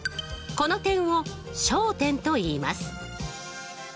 この点を焦点といいます。